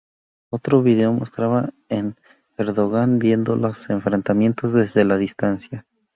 Otro video mostraba a Erdoğan viendo los enfrentamientos desde la distancia.